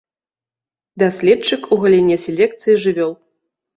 Даследчык у галіне селекцыі жывёл.